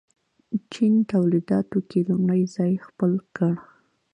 چین تولیداتو کې لومړی ځای خپل کړ.